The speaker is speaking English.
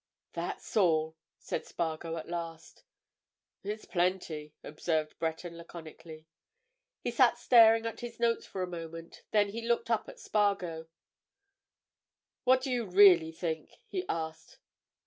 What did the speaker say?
"That's all," said Spargo at last. "It's plenty," observed Breton laconically. He sat staring at his notes for a moment; then he looked up at Spargo. "What do you really think?" he asked.